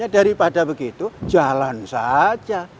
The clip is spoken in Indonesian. daripada begitu jalan saja